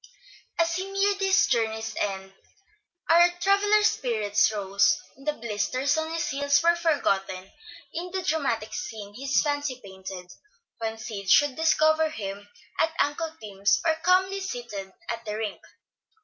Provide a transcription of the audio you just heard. As he neared his journey's end our traveller's spirits rose, and the blisters on his heels were forgotten in the dramatic scene his fancy painted, when Sid should discover him at Uncle Tim's, or calmly seated at the rink.